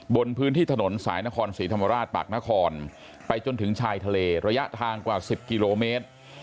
บนพื้นที่ถนนสายนครศรีธรรมราชปากนครไปจนถึงชายทะเลระยะทางกว่า๑๐กิโลเมตร